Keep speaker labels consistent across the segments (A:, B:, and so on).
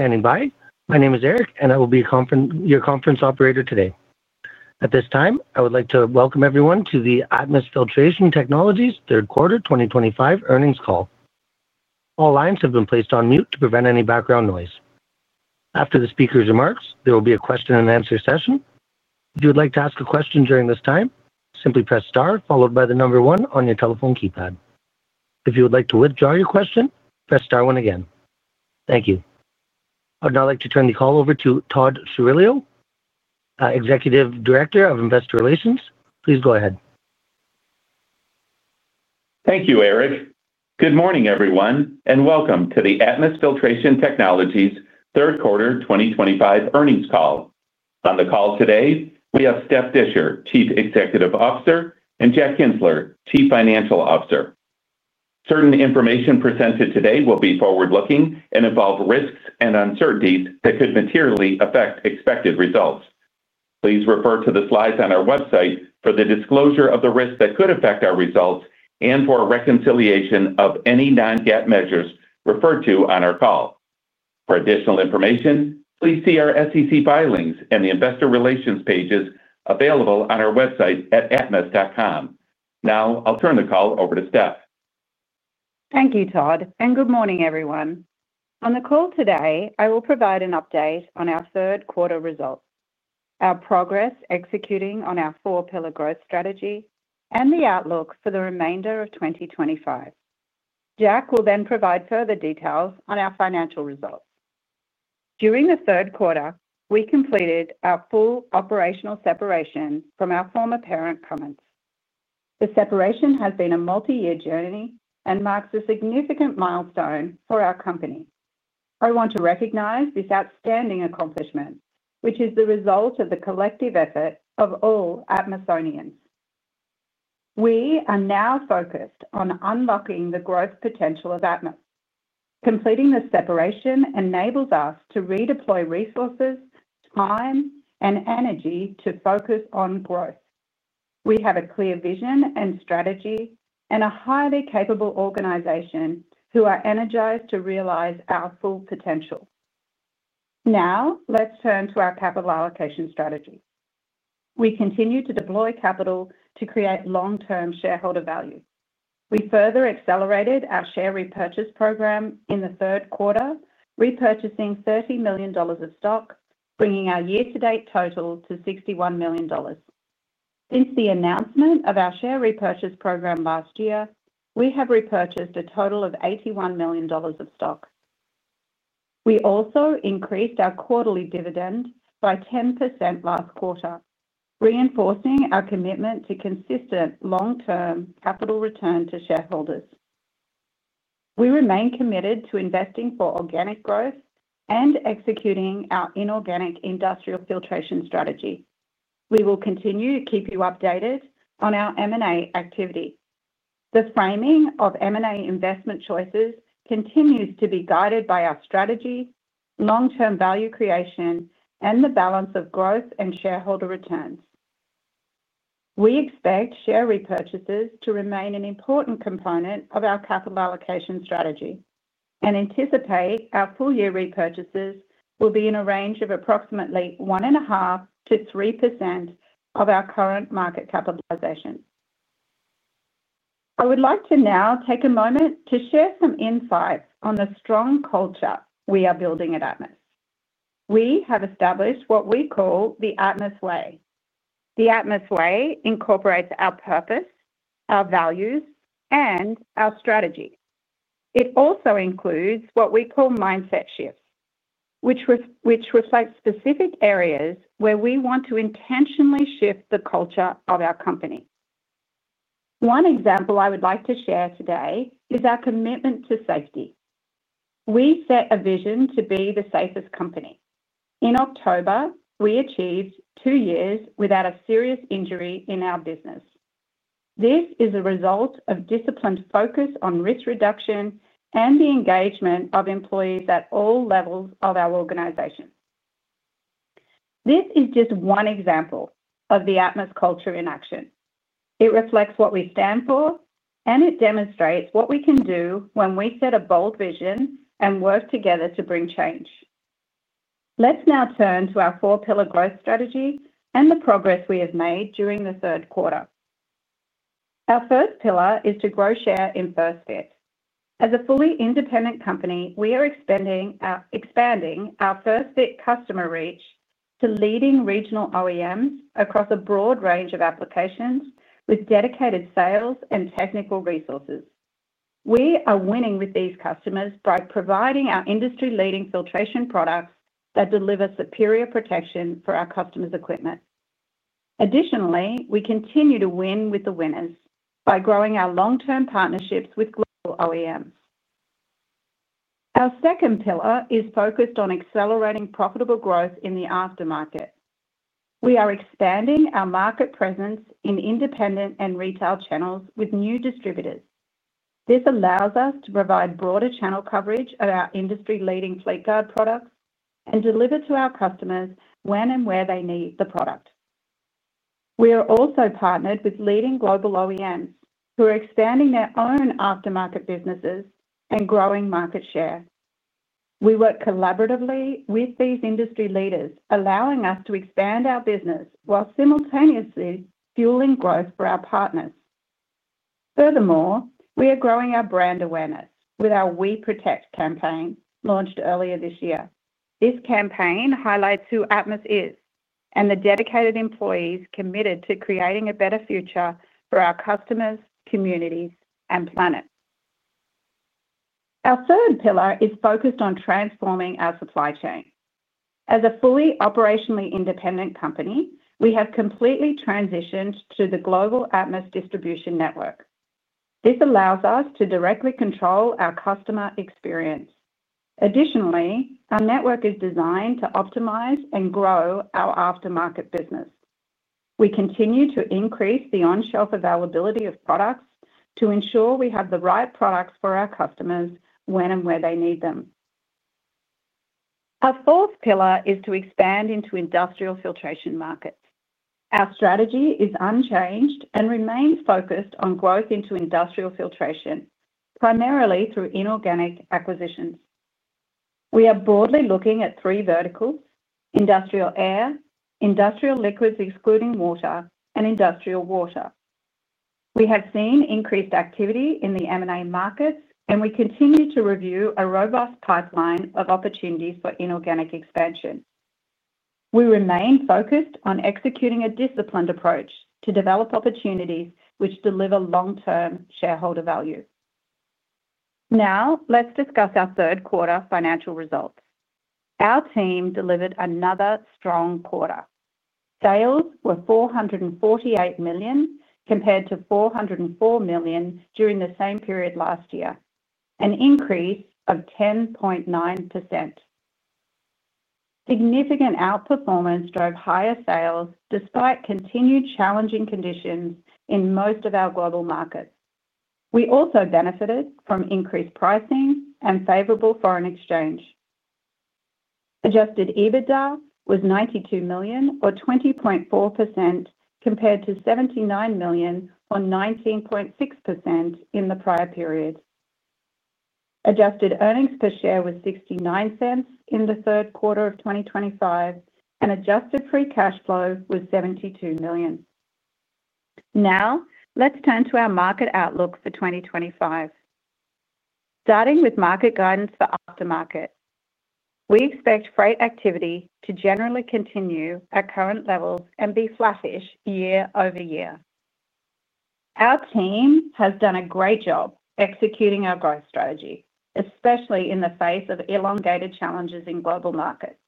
A: Standing by. My name is Eric, and I will be your conference operator today. At this time, I would like to welcome everyone to the Atmus Filtration Technologies third quarter 2025 earnings call. All lines have been placed on mute to prevent any background noise. After the speaker's remarks, there will be a question-and-answer session. If you would like to ask a question during this time, simply press star followed by the number one on your telephone keypad. If you would like to withdraw your question, press star one again. Thank you. I'd now like to turn the call over to Todd Chirillo, Executive Director of Investor Relations. Please go ahead.
B: Thank you, Eric. Good morning, everyone, and welcome to the Atmus Filtration Technologies third quarter 2025 earnings call. On the call today, we have Steph Disher, Chief Executive Officer, and Jack Kienzler, Chief Financial Officer. Certain information presented today will be forward-looking and involve risks and uncertainties that could materially affect expected results. Please refer to the slides on our website for the disclosure of the risks that could affect our results and for reconciliation of any non-GAAP measures referred to on our call. For additional information, please see our SEC filings and the Investor Relations pages available on our website at atmus.com. Now, I'll turn the call over to Steph.
C: Thank you, Todd. Good morning, everyone. On the call today, I will provide an update on our third quarter results, our progress executing on our four-pillar growth strategy, and the outlook for the remainder of 2025. Jack will then provide further details on our financial results. During the third quarter, we completed our full operational separation from our former parent company. The separation has been a multi-year journey and marks a significant milestone for our company. I want to recognize this outstanding accomplishment, which is the result of the collective effort of all Atmus-onians. We are now focused on unlocking the growth potential of Atmus. Completing the separation enables us to redeploy resources, time, and energy to focus on growth. We have a clear vision and strategy and a highly capable organization who are energized to realize our full potential. Now, let's turn to our capital allocation strategy. We continue to deploy capital to create long-term shareholder value. We further accelerated our share repurchase program in the third quarter, repurchasing $30 million of stock, bringing our year-to-date total to $61 million. Since the announcement of our share repurchase program last year, we have repurchased a total of $81 million of stock. We also increased our quarterly dividend by 10% last quarter, reinforcing our commitment to consistent long-term capital return to shareholders. We remain committed to investing for organic growth and executing our inorganic industrial filtration strategy. We will continue to keep you updated on our M&A activity. The framing of M&A investment choices continues to be guided by our strategy, long-term value creation, and the balance of growth and shareholder returns. We expect share repurchases to remain an important component of our capital allocation strategy and anticipate our full-year repurchases will be in a range of approximately 1.5%-3% of our current market capitalization. I would like to now take a moment to share some insights on the strong culture we are building at Atmus. We have established what we call the Atmus Way. The Atmus Way incorporates our purpose, our values, and our strategy. It also includes what we call mindset shifts, which reflect specific areas where we want to intentionally shift the culture of our company. One example I would like to share today is our commitment to safety. We set a vision to be the safest company. In October, we achieved two years without a serious injury in our business. This is a result of disciplined focus on risk reduction and the engagement of employees at all levels of our organization. This is just one example of the Atmus culture in action. It reflects what we stand for, and it demonstrates what we can do when we set a bold vision and work together to bring change. Let's now turn to our four-pillar growth strategy and the progress we have made during the third quarter. Our first pillar is to grow share in First Fit. As a fully independent company, we are expanding our First Fit customer reach to leading regional OEMs across a broad range of applications with dedicated sales and technical resources. We are winning with these customers by providing our industry-leading filtration products that deliver superior protection for our customers' equipment. Additionally, we continue to win with the winners by growing our long-term partnerships with global OEMs. Our second pillar is focused on accelerating profitable growth in the aftermarket. We are expanding our market presence in independent and retail channels with new distributors. This allows us to provide broader channel coverage of our industry-leading Fleetguard products and deliver to our customers when and where they need the product. We are also partnered with leading global OEMs who are expanding their own aftermarket businesses and growing market share. We work collaboratively with these industry leaders, allowing us to expand our business while simultaneously fueling growth for our partners. Furthermore, we are growing our brand awareness with our We Protect campaign launched earlier this year. This campaign highlights who Atmus is and the dedicated employees committed to creating a better future for our customers, communities, and planet. Our third pillar is focused on transforming our supply chain. As a fully operationally independent company, we have completely transitioned to the global Atmus distribution network. This allows us to directly control our customer experience. Additionally, our network is designed to optimize and grow our aftermarket business. We continue to increase the on-shelf availability of products to ensure we have the right products for our customers when and where they need them. Our fourth pillar is to expand into industrial filtration markets. Our strategy is unchanged and remains focused on growth into industrial filtration, primarily through inorganic acquisitions. We are broadly looking at three verticals: industrial air, industrial liquids excluding water, and industrial water. We have seen increased activity in the M&A markets, and we continue to review a robust pipeline of opportunities for inorganic expansion. We remain focused on executing a disciplined approach to develop opportunities which deliver long-term shareholder value. Now, let's discuss our third quarter financial results. Our team delivered another strong quarter. Sales were $448 million compared to $404 million during the same period last year, an increase of 10.9%. Significant outperformance drove higher sales despite continued challenging conditions in most of our global markets. We also benefited from increased pricing and favorable foreign exchange. Adjusted EBITDA was $92 million, or 20.4%, compared to $79 million or 19.6% in the prior period. Adjusted earnings per share was $0.69 in the third quarter of 2025, and adjusted free cash flow was $72 million. Now, let's turn to our market outlook for 2025. Starting with market guidance for aftermarket, we expect freight activity to generally continue at current levels and be flattish year over year. Our team has done a great job executing our growth strategy, especially in the face of elongated challenges in global markets.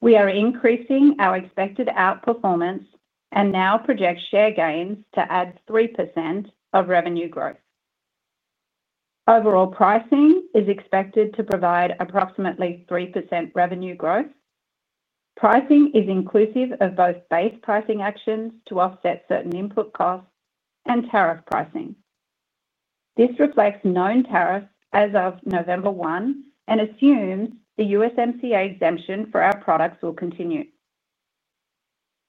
C: We are increasing our expected outperformance and now project share gains to add 3% of revenue growth. Overall pricing is expected to provide approximately 3% revenue growth. Pricing is inclusive of both base pricing actions to offset certain input costs and tariff pricing. This reflects known tariffs as of November 1 and assumes the USMCA exemption for our products will continue.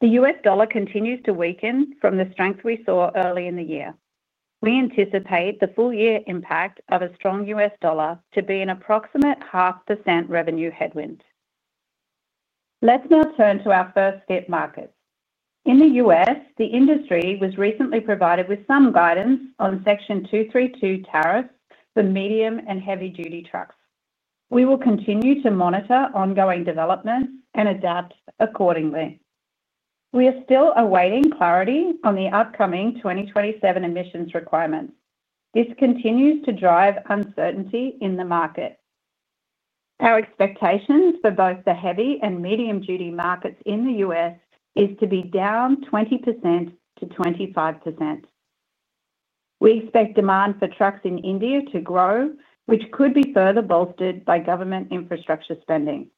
C: The U.S. dollar continues to weaken from the strength we saw early in the year. We anticipate the full-year impact of a strong U.S. dollar to be an approximate 1/2 percent revenue headwind. Let's now turn to our First Fit markets. In the U.S., the industry was recently provided with some guidance on Section 232 tariffs for medium and heavy-duty trucks. We will continue to monitor ongoing developments and adapt accordingly. We are still awaiting clarity on the upcoming 2027 emissions requirements. This continues to drive uncertainty in the market. Our expectations for both the heavy and medium-duty markets in the U.S. are to be down 20%-25%. We expect demand for trucks in India to grow, which could be further bolstered by government infrastructure spending.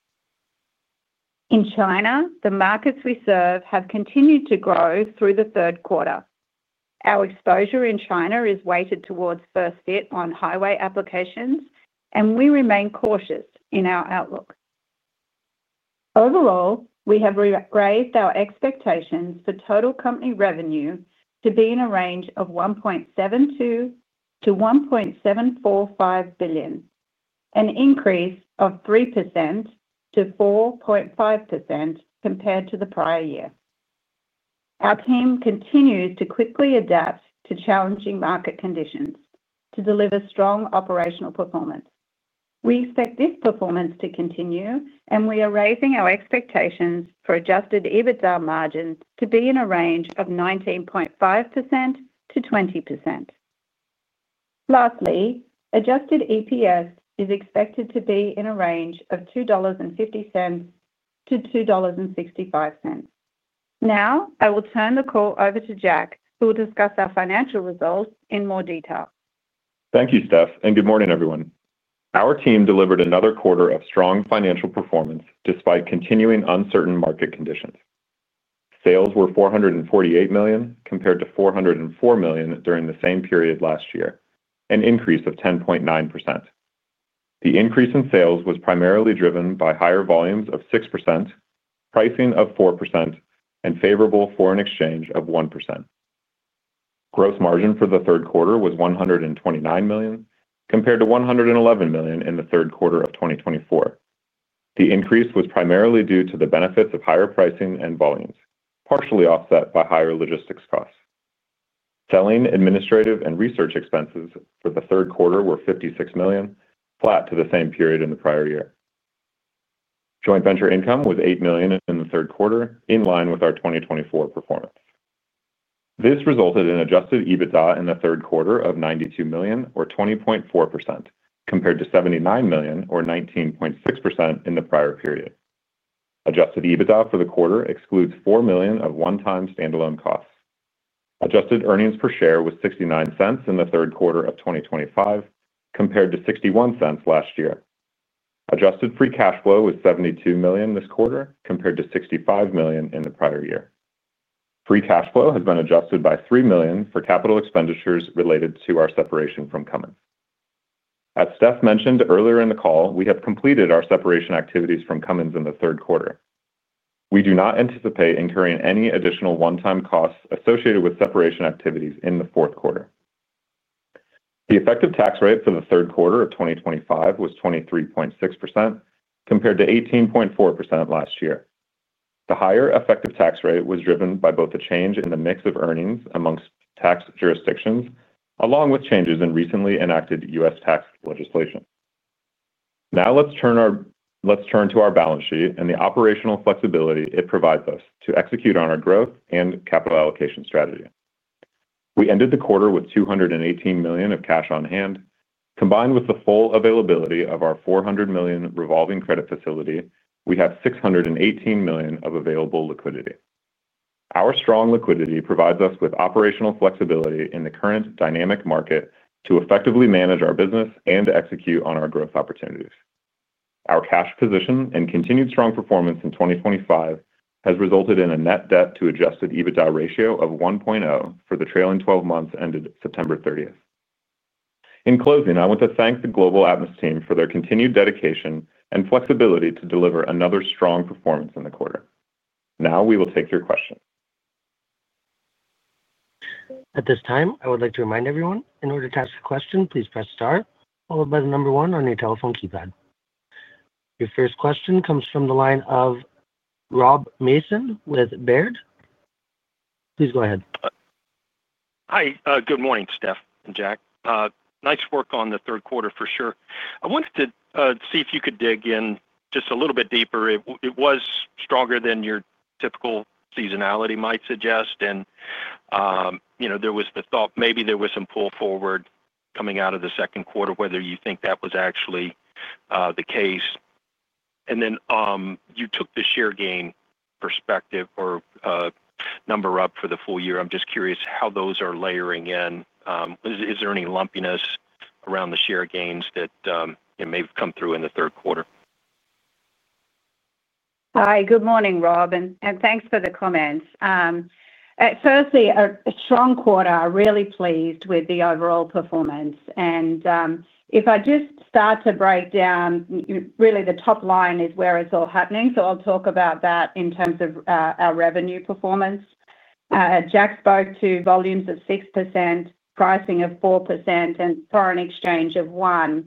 C: In China, the markets we serve have continued to grow through the third quarter. Our exposure in China is weighted towards First Fit on highway applications, and we remain cautious in our outlook. Overall, we have raised our expectations for total company revenue to be in a range of $1.72-$1.745 billion, an increase of 3%-4.5% compared to the prior year. Our team continues to quickly adapt to challenging market conditions to deliver strong operational performance. We expect this performance to continue, and we are raising our expectations for adjusted EBITDA margin to be in a range of 19.5%-20%. Lastly, adjusted EPS is expected to be in a range of $2.50-$2.65. Now, I will turn the call over to Jack, who will discuss our financial results in more detail.
D: Thank you, Steph. Good morning, everyone. Our team delivered another quarter of strong financial performance despite continuing uncertain market conditions. Sales were $448 million compared to $404 million during the same period last year, an increase of 10.9%. The increase in sales was primarily driven by higher volumes of 6%, pricing of 4%, and favorable foreign exchange of 1%. Gross margin for the third quarter was $129 million compared to $111 million in the third quarter of 2024. The increase was primarily due to the benefits of higher pricing and volumes, partially offset by higher logistics costs. Selling, administrative, and research expenses for the third quarter were $56 million, flat to the same period in the prior year. Joint venture income was $8 million in the third quarter, in line with our 2024 performance. This resulted in adjusted EBITDA in the third quarter of $92 million, or 20.4%, compared to $79 million, or 19.6% in the prior period. Adjusted EBITDA for the quarter excludes $4 million of one-time standalone costs. Adjusted earnings per share was $0.69 in the third quarter of 2025, compared to $0.61 last year. Adjusted free cash flow was $72 million this quarter, compared to $65 million in the prior year. Free cash flow has been adjusted by $3 million for capital expenditures related to our separation from Cummins. As Steph mentioned earlier in the call, we have completed our separation activities from Cummins in the third quarter. We do not anticipate incurring any additional one-time costs associated with separation activities in the fourth quarter. The effective tax rate for the third quarter of 2025 was 23.6%, compared to 18.4% last year. The higher effective tax rate was driven by both a change in the mix of earnings amongst tax jurisdictions, along with changes in recently enacted U.S. tax legislation. Now, let's turn to our balance sheet and the operational flexibility it provides us to execute on our growth and capital allocation strategy. We ended the quarter with $218 million of cash on hand. Combined with the full availability of our $400 million revolving credit facility, we have $618 million of available liquidity. Our strong liquidity provides us with operational flexibility in the current dynamic market to effectively manage our business and execute on our growth opportunities. Our cash position and continued strong performance in 2025 has resulted in a net debt-to-adjusted EBITDA ratio of 1.0 for the trailing 12 months ended September 30th. In closing, I want to thank the global Atmus team for their continued dedication and flexibility to deliver another strong performance in the quarter. Now, we will take your questions.
A: At this time, I would like to remind everyone, in order to ask a question, please press star, followed by the number one on your telephone keypad. Your first question comes from the line of Rob Mason with Baird. Please go ahead.
E: Hi. Good morning, Steph and Jack. Nice work on the third quarter, for sure. I wanted to see if you could dig in just a little bit deeper. It was stronger than your typical seasonality might suggest, and there was the thought maybe there was some pull forward coming out of the second quarter, whether you think that was actually the case. You took the share gain perspective or number up for the full year. I'm just curious how those are layering in. Is there any lumpiness around the share gains that may have come through in the third quarter?
C: Hi. Good morning, Rob. And thanks for the comments. Firstly, a strong quarter. I'm really pleased with the overall performance. If I just start to break down, really, the top line is where it's all happening. I will talk about that in terms of our revenue performance. Jack spoke to volumes of 6%, pricing of 4%, and foreign exchange of 1%.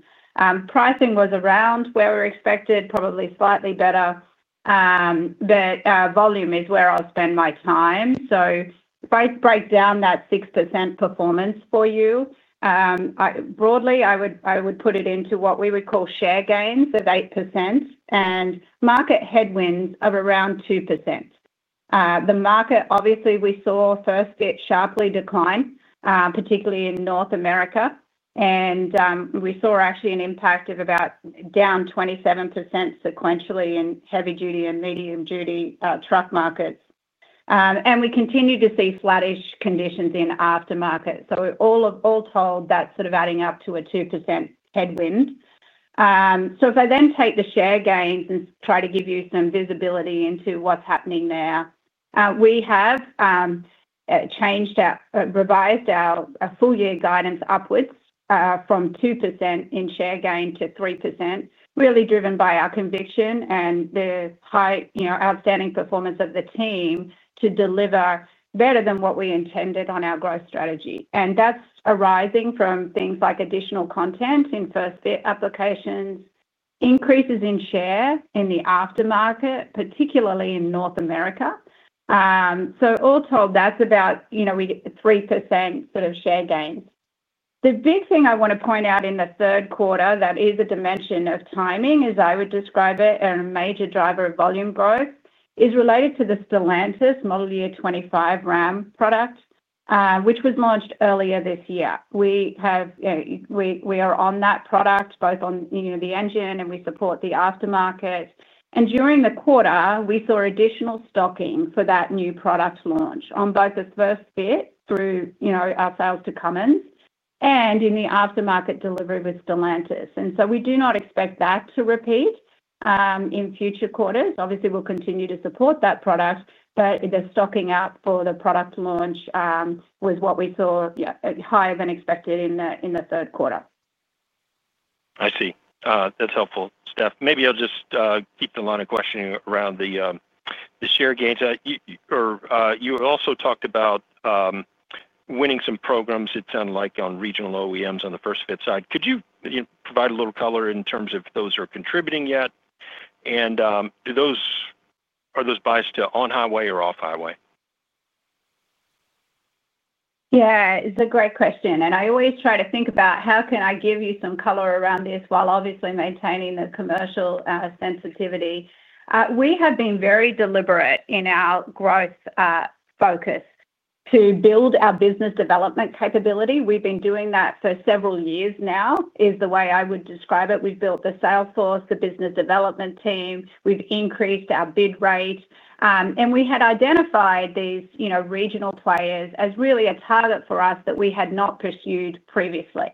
C: Pricing was around where we expected, probably slightly better, but volume is where I'll spend my time. If I break down that 6% performance for you, broadly, I would put it into what we would call share gains of 8% and market headwinds of around 2%. The market, obviously, we saw First Fit sharply decline, particularly in North America. We saw actually an impact of about down 27% sequentially in heavy-duty and medium-duty truck markets. We continue to see flattish conditions in aftermarket. All told, that's sort of adding up to a 2% headwind. If I then take the share gains and try to give you some visibility into what's happening there, we have revised our full-year guidance upwards from 2% in share gain to 3%, really driven by our conviction and the outstanding performance of the team to deliver better than what we intended on our growth strategy. That's arising from things like additional content in First Fit applications, increases in share in the aftermarket, particularly in North America. All told, that's about 3% sort of share gains. The big thing I want to point out in the third quarter that is a dimension of timing, as I would describe it, and a major driver of volume growth is related to the Stellantis Model Year 2025 Ram product, which was launched earlier this year. We are on that product, both on the engine, and we support the aftermarket. During the quarter, we saw additional stocking for that new product launch on both the First Fit through our sales to Cummins and in the aftermarket delivery with Stellantis. We do not expect that to repeat in future quarters. Obviously, we'll continue to support that product, but the stocking up for the product launch was what we saw higher than expected in the third quarter.
E: I see. That's helpful, Steph. Maybe I'll just keep the line of questioning around the share gains. You also talked about winning some programs, it sounded like, on regional OEMs on the First Fit side. Could you provide a little color in terms of those that are contributing yet? And are those biased to on-highway or off-highway?
C: Yeah. It's a great question. I always try to think about how can I give you some color around this while obviously maintaining the commercial sensitivity. We have been very deliberate in our growth focus to build our business development capability. We've been doing that for several years now, is the way I would describe it. We've built the sales force, the business development team. We've increased our bid rate. We had identified these regional players as really a target for us that we had not pursued previously.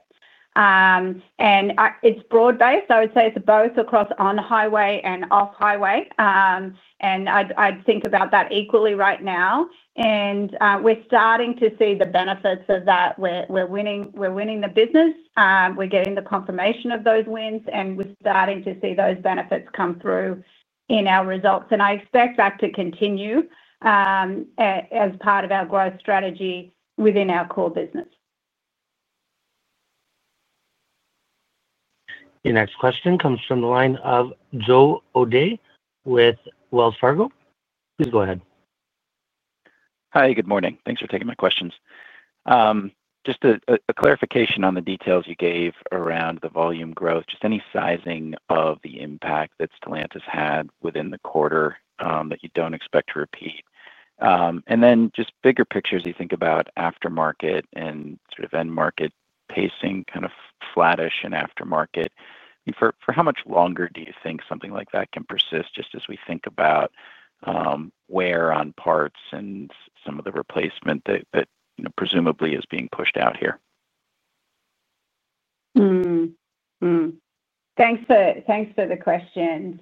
C: It's broad-based. I would say it's both across on-highway and off-highway. I'd think about that equally right now. We're starting to see the benefits of that. We're winning the business. We're getting the confirmation of those wins, and we're starting to see those benefits come through in our results. I expect that to continue as part of our growth strategy within our core business.
A: Your next question comes from the line of Joe O'Dea with Wells Fargo. Please go ahead.
F: Hi. Good morning. Thanks for taking my questions. Just a clarification on the details you gave around the volume growth, just any sizing of the impact that Stellantis had within the quarter that you do not expect to repeat. Then just bigger picture, you think about aftermarket and sort of end-market pacing, kind of flattish in aftermarket. For how much longer do you think something like that can persist just as we think about wear on parts and some of the replacement that presumably is being pushed out here?
C: Thanks for the questions.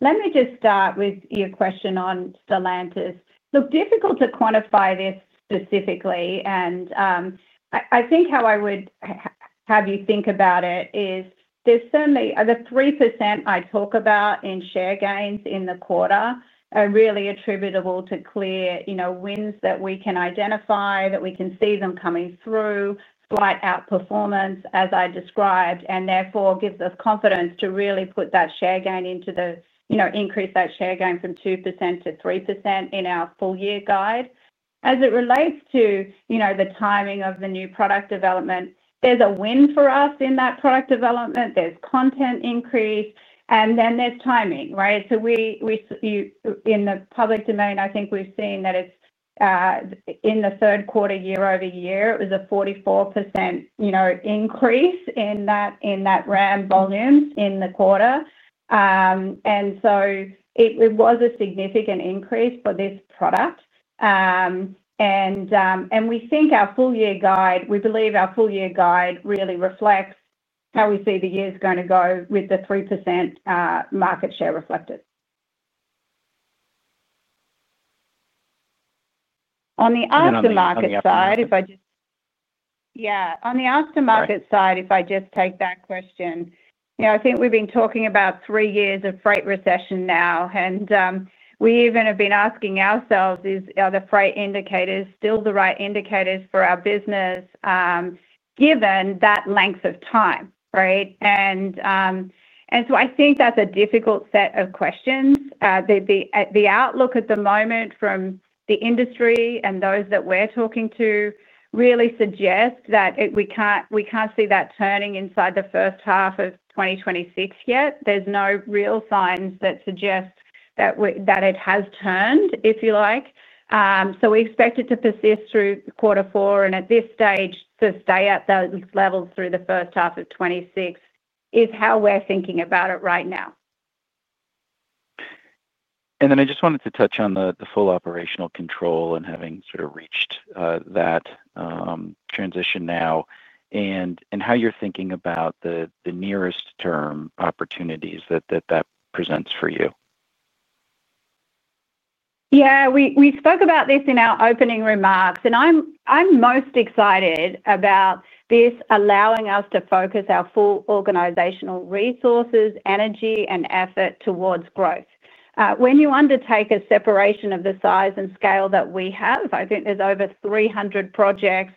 C: Let me just start with your question on Stellantis. Look, difficult to quantify this specifically. I think how I would have you think about it is there's certainly the 3% I talk about in share gains in the quarter are really attributable to clear wins that we can identify, that we can see them coming through, slight outperformance, as I described, and therefore gives us confidence to really put that share gain into the increase, that share gain from 2% to 3% in our full-year guide. As it relates to the timing of the new product development, there's a win for us in that product development. There's content increase, and then there's timing, right? In the public domain, I think we've seen that in the third quarter, year over year, it was a 44% increase in that Ram volumes in the quarter. It was a significant increase for this product. We think our full-year guide, we believe our full-year guide really reflects how we see the year's going to go with the 3% market share reflected. On the aftermarket side, if I just.
F: You're not asking yet.
C: Yeah. On the aftermarket side, if I just take that question, I think we've been talking about three years of freight recession now. And we even have been asking ourselves, are the freight indicators still the right indicators for our business, given that length of time, right? I think that's a difficult set of questions. The outlook at the moment from the industry and those that we're talking to really suggests that we can't see that turning inside the first half of 2026 yet. There's no real signs that suggest that it has turned, if you like. We expect it to persist through quarter four. At this stage, to stay at those levels through the first half of 2026 is how we're thinking about it right now.
F: I just wanted to touch on the full operational control and having sort of reached that transition now and how you're thinking about the nearest-term opportunities that that presents for you.
C: Yeah. We spoke about this in our opening remarks. I'm most excited about this allowing us to focus our full organizational resources, energy, and effort towards growth. When you undertake a separation of the size and scale that we have, I think there's over 300 projects.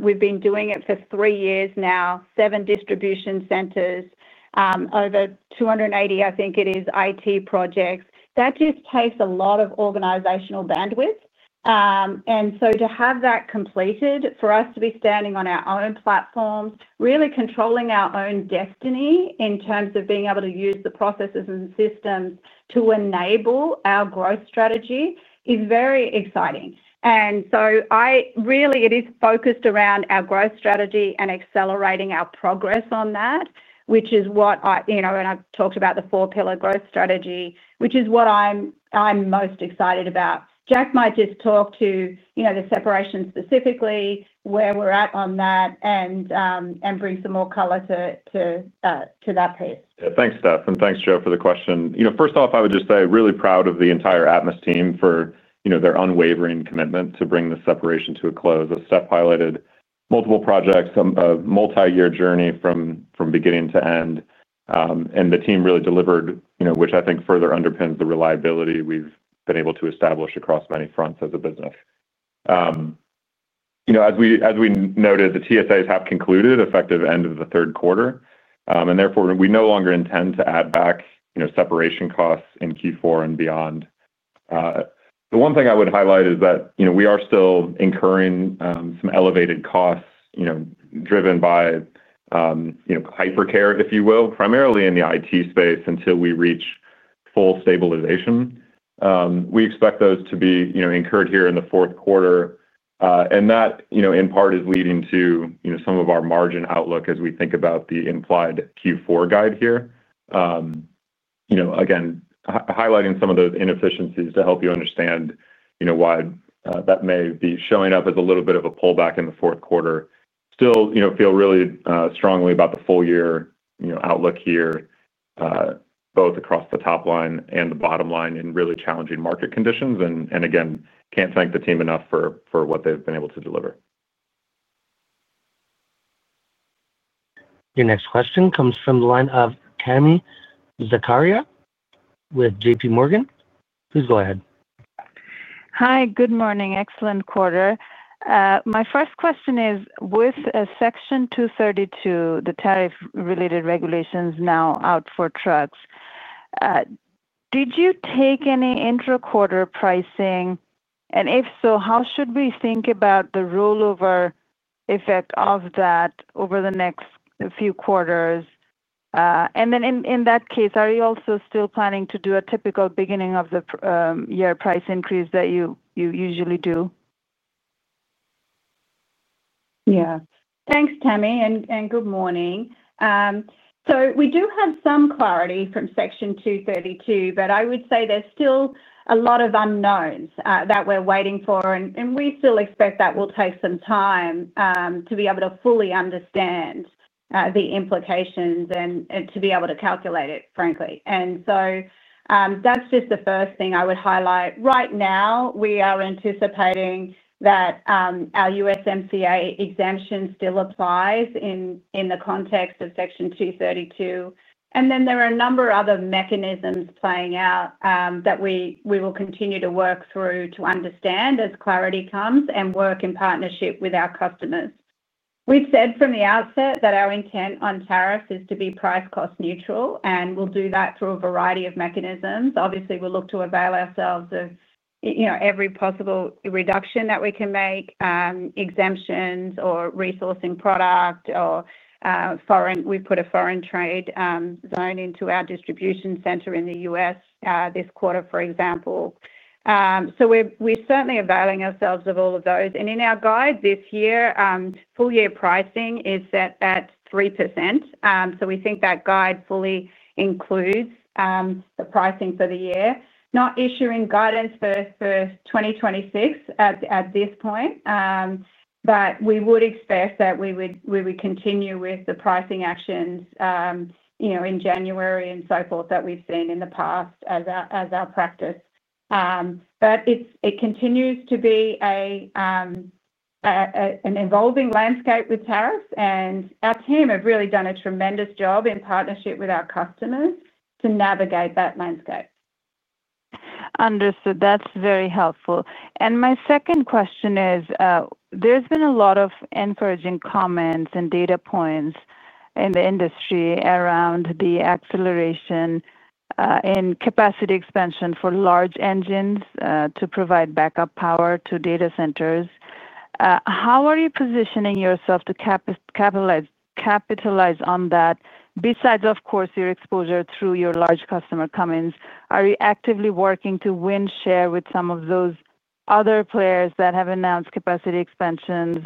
C: We've been doing it for three years now, seven distribution centers, over 280, I think it is, IT projects. That just takes a lot of organizational bandwidth. To have that completed, for us to be standing on our own platforms, really controlling our own destiny in terms of being able to use the processes and systems to enable our growth strategy is very exciting. It is focused around our growth strategy and accelerating our progress on that, which is what I and I've talked about, the four-pillar growth strategy, which is what I'm most excited about. Jack might just talk to the separation specifically, where we're at on that, and bring some more color to that piece.
D: Thanks, Steph. And thanks, Joe, for the question. First off, I would just say really proud of the entire Atmus team for their unwavering commitment to bring the separation to a close. As Steph highlighted, multiple projects, a multi-year journey from beginning to end. The team really delivered, which I think further underpins the reliability we've been able to establish across many fronts as a business. As we noted, the TSAs have concluded effective end of the third quarter. Therefore, we no longer intend to add back separation costs in Q4 and beyond. The one thing I would highlight is that we are still incurring some elevated costs driven by hypercare, if you will, primarily in the IT space until we reach full stabilization. We expect those to be incurred here in the fourth quarter. That, in part, is leading to some of our margin outlook as we think about the implied Q4 guide here. Again, highlighting some of those inefficiencies to help you understand why that may be showing up as a little bit of a pullback in the fourth quarter. Still feel really strongly about the full-year outlook here, both across the top line and the bottom line in really challenging market conditions. Again, can't thank the team enough for what they've been able to deliver.
A: Your next question comes from the line of Tami Zakaria with JPMorgan. Please go ahead.
G: Hi. Good morning. Excellent quarter. My first question is, with Section 232, the tariff-related regulations now out for trucks, did you take any intra-quarter pricing? If so, how should we think about the rollover effect of that over the next few quarters? In that case, are you also still planning to do a typical beginning-of-the-year price increase that you usually do?
C: Yeah. Thanks, Tami. Good morning. We do have some clarity from Section 232, but I would say there's still a lot of unknowns that we're waiting for. We still expect that will take some time to be able to fully understand the implications and to be able to calculate it, frankly. That's just the first thing I would highlight. Right now, we are anticipating that our USMCA exemption still applies in the context of Section 232. There are a number of other mechanisms playing out that we will continue to work through to understand as clarity comes and work in partnership with our customers. We've said from the outset that our intent on tariffs is to be price-cost neutral, and we'll do that through a variety of mechanisms. Obviously, we'll look to avail ourselves of every possible reduction that we can make, exemptions or resourcing product or foreign. We've put a foreign trade zone into our distribution center in the U.S. this quarter, for example. We are certainly availing ourselves of all of those. In our guide this year, full-year pricing is set at 3%. We think that guide fully includes the pricing for the year. Not issuing guidance for 2026 at this point, but we would expect that we would continue with the pricing actions in January and so forth that we've seen in the past as our practice. It continues to be an evolving landscape with tariffs. Our team have really done a tremendous job in partnership with our customers to navigate that landscape.
G: Understood. That's very helpful. My second question is, there's been a lot of encouraging comments and data points in the industry around the acceleration in capacity expansion for large engines to provide backup power to data centers. How are you positioning yourself to capitalize on that? Besides, of course, your exposure through your large customer Cummins, are you actively working to win share with some of those other players that have announced capacity expansions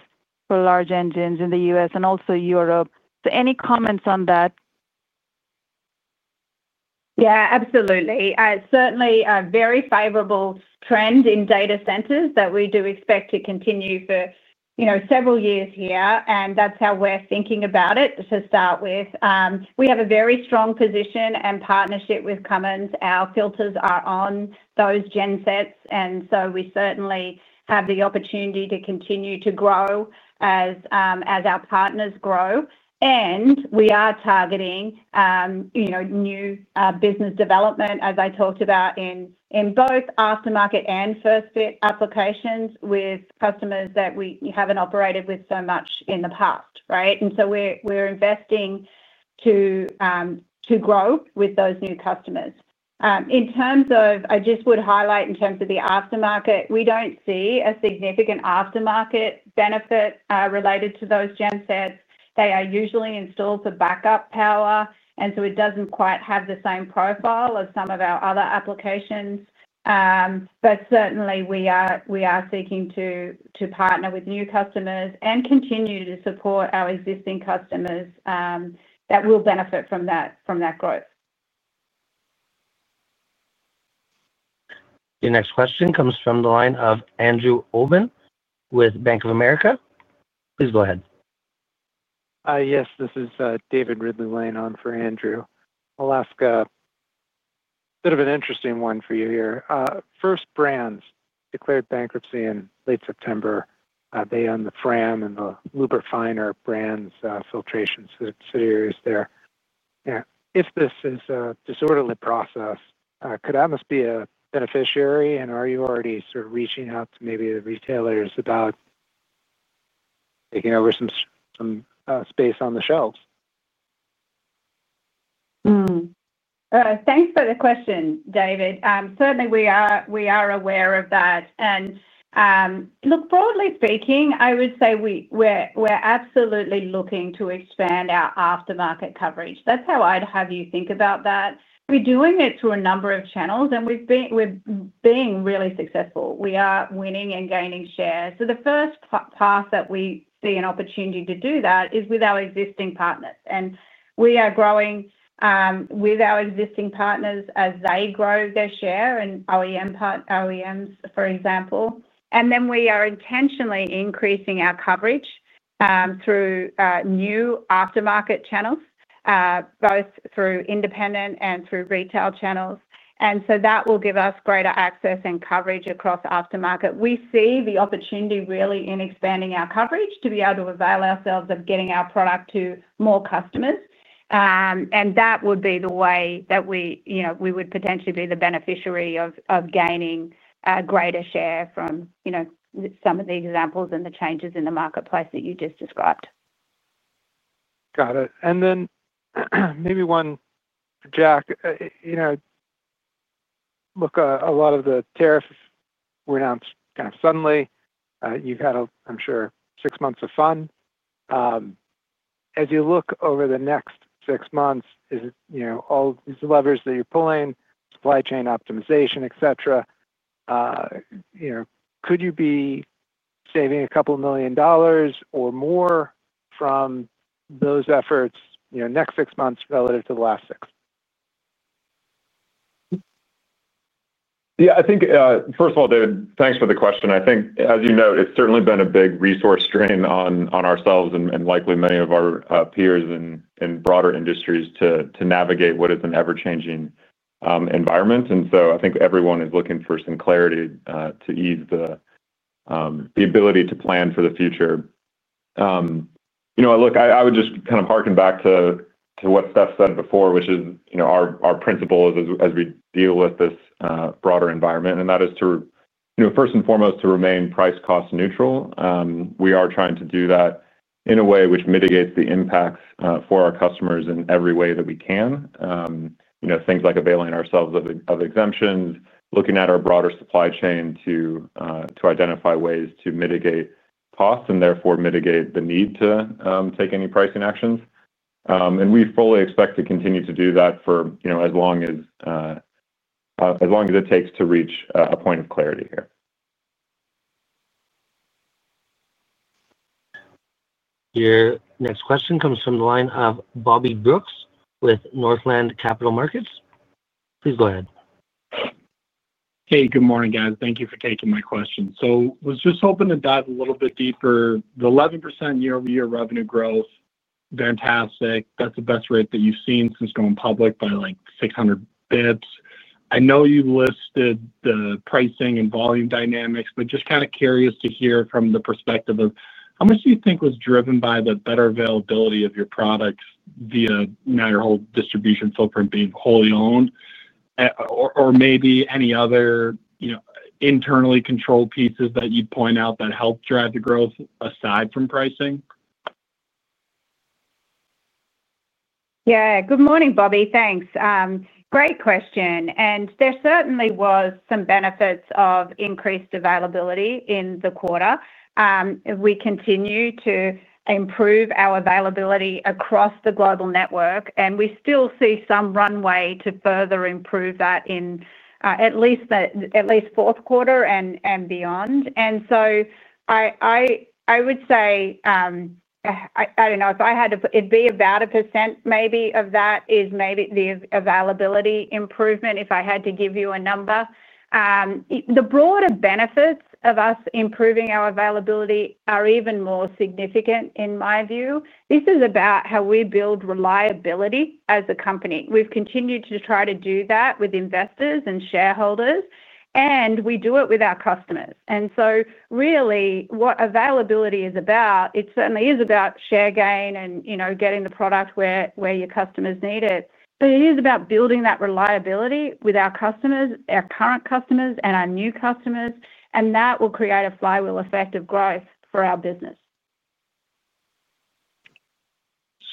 G: for large engines in the U.S. and also Europe? Any comments on that?
C: Yeah, absolutely. Certainly, a very favorable trend in data centers that we do expect to continue for several years here. That is how we are thinking about it to start with. We have a very strong position and partnership with Cummins. Our filters are on those gensets. We certainly have the opportunity to continue to grow as our partners grow. We are targeting new business development, as I talked about, in both aftermarket and first-fit applications with customers that we have not operated with so much in the past, right? We are investing to grow with those new customers. I just would highlight in terms of the aftermarket, we do not see a significant aftermarket benefit related to those gensets. They are usually installed for backup power. It does not quite have the same profile as some of our other applications. Certainly, we are seeking to partner with new customers and continue to support our existing customers that will benefit from that growth.
A: Your next question comes from the line of Andrew Oven with Bank of America. Please go ahead.
H: Yes. This is David Ridley-Lane on for Andrew. I'll ask a bit of an interesting one for you here. First Brands declared bankruptcy in late September. They own the FRAM and the Luber-finer brands' filtration series there. If this is a disorderly process, could Atmus be a beneficiary? And are you already sort of reaching out to maybe the retailers about taking over some space on the shelves?
C: Thanks for the question, David. Certainly, we are aware of that. Look, broadly speaking, I would say we're absolutely looking to expand our aftermarket coverage. That's how I'd have you think about that. We're doing it through a number of channels, and we're being really successful. We are winning and gaining shares. The first path that we see an opportunity to do that is with our existing partners. We are growing with our existing partners as they grow their share and OEMs, for example. We are intentionally increasing our coverage through new aftermarket channels, both through independent and through retail channels. That will give us greater access and coverage across aftermarket. We see the opportunity really in expanding our coverage to be able to avail ourselves of getting our product to more customers. That would be the way that we would potentially be the beneficiary of gaining greater share from some of the examples and the changes in the marketplace that you just described.
H: Got it. Maybe one, Jack, look, a lot of the tariffs were announced kind of suddenly. You've had, I'm sure, six months of fun. As you look over the next six months, all these levers that you're pulling, supply chain optimization, etc., could you be saving a couple of million dollars or more from those efforts next six months relative to the last six?
D: Yeah. I think, first of all, David, thanks for the question. I think, as you know, it's certainly been a big resource strain on ourselves and likely many of our peers in broader industries to navigate what is an ever-changing environment. I think everyone is looking for some clarity to ease the ability to plan for the future. Look, I would just kind of harken back to what Steph said before, which is our principle as we deal with this broader environment. That is, first and foremost, to remain price-cost neutral. We are trying to do that in a way which mitigates the impacts for our customers in every way that we can, things like availing ourselves of exemptions, looking at our broader supply chain to identify ways to mitigate costs and therefore mitigate the need to take any pricing actions. We fully expect to continue to do that for as long as it takes to reach a point of clarity here.
A: Your next question comes from the line of Bobby Brooks with Northland Capital Markets. Please go ahead.
I: Hey, good morning, guys. Thank you for taking my question. I was just hoping to dive a little bit deeper. The 11% year-over-year revenue growth, fantastic. That is the best rate that you have seen since going public by like 600 basis points. I know you listed the pricing and volume dynamics, but just kind of curious to hear from the perspective of how much do you think was driven by the better availability of your products via now your whole distribution footprint being wholly owned? Or maybe any other internally controlled pieces that you would point out that helped drive the growth aside from pricing?
C: Yeah. Good morning, Bobby. Thanks. Great question. There certainly were some benefits of increased availability in the quarter. We continue to improve our availability across the global network. We still see some runway to further improve that in at least the fourth quarter and beyond. I would say, I do not know, if I had to, it would be about 1% maybe of that is maybe the availability improvement if I had to give you a number. The broader benefits of us improving our availability are even more significant, in my view. This is about how we build reliability as a company. We have continued to try to do that with investors and shareholders. We do it with our customers. Really, what availability is about, it certainly is about share gain and getting the product where your customers need it. It is about building that reliability with our customers, our current customers, and our new customers. That will create a flywheel effect of growth for our business.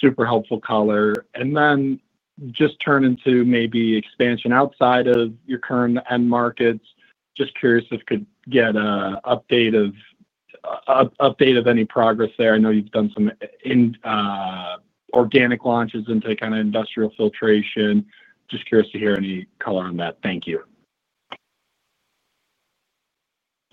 I: Super helpful, Color. Just turning to maybe expansion outside of your current end markets. Just curious if we could get an update of any progress there. I know you've done some organic launches into kind of industrial filtration. Just curious to hear any color on that. Thank you.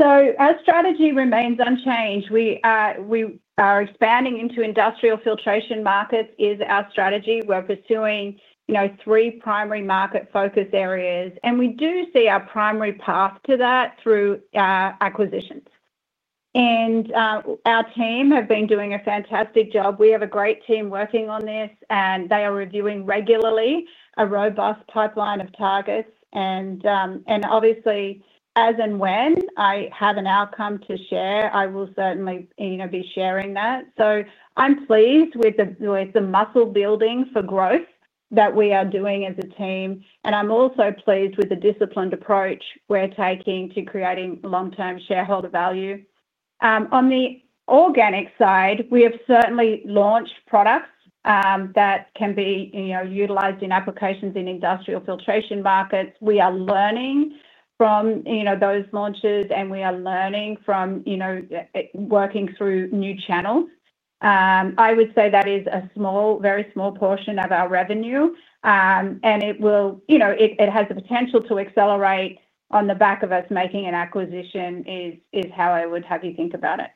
C: Our strategy remains unchanged. We are expanding into industrial filtration markets is our strategy. We're pursuing three primary market focus areas. We do see our primary path to that through acquisitions. Our team have been doing a fantastic job. We have a great team working on this. They are reviewing regularly a robust pipeline of targets. Obviously, as and when I have an outcome to share, I will certainly be sharing that. I'm pleased with the muscle building for growth that we are doing as a team. I'm also pleased with the disciplined approach we're taking to creating long-term shareholder value. On the organic side, we have certainly launched products that can be utilized in applications in industrial filtration markets. We are learning from those launches, and we are learning from working through new channels. I would say that is a very small portion of our revenue. It has the potential to accelerate on the back of us making an acquisition is how I would have you think about it.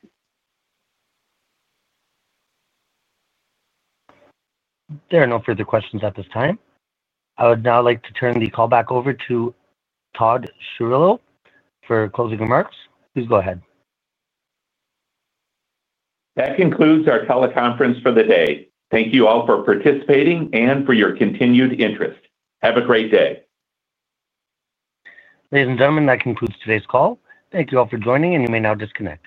A: There are no further questions at this time. I would now like to turn the call back over to Todd Chirillo for closing remarks. Please go ahead.
B: That concludes our teleconference for the day. Thank you all for participating and for your continued interest. Have a great day.
A: Ladies and gentlemen, that concludes today's call. Thank you all for joining, and you may now disconnect.